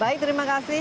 baik terima kasih